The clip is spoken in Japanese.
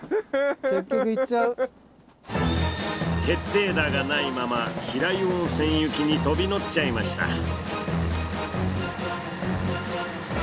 決定打がないまま平湯温泉行きに飛び乗っちゃいました。